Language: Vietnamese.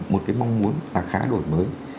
một cái mong muốn là khá đổi mới